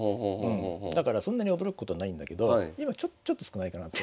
だからそんなに驚くことないんだけど今ちょっと少ないかなと。